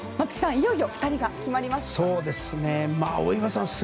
いよいよ２人が決まります。